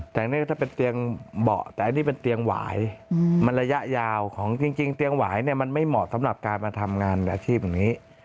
แต่อันนี้ก็ถ้าเป็นเตียงเบาะแต่อันนี้เป็นเตียงหวายมันระยะยาวของจริงเตียงหวายเนี่ยมันไม่เหมาะสำหรับการมาทำงานอาชีพอย่างนี้